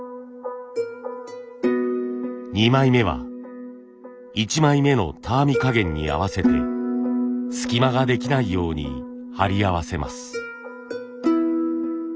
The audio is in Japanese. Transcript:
２枚目は１枚目のたわみかげんに合わせて隙間ができないように貼り合わせます。